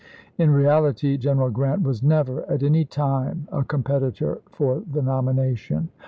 In reality, General Grant was never at any time a competitor for the nomination.